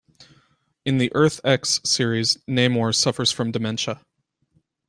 In the "Earth X" series Namor suffers from dementia.